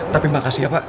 tapi makasih ya pak